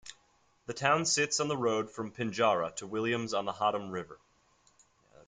The town sits on the road from Pinjarra to Williams on the Hotham River.